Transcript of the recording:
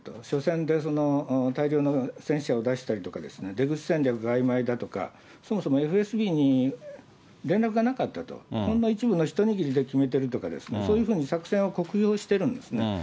緒戦で大量の戦死者を出したりとか、出口戦略があいまいだとか、そもそもＦＳＢに連絡がなかったと、ほんの一部の一握りの人で決めてるとかですね、そういうふうに作戦を酷評してるんですね。